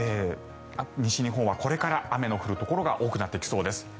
西日本はこれから雨の降るところが多くなってきそうです。